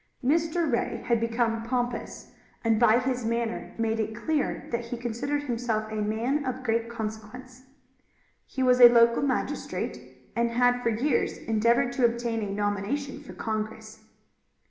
Mr. Ray had become pompous, and by his manner made it clear that he considered himself a man of great consequence. He was a local magistrate, and had for years endeavored to obtain a nomination for Congress.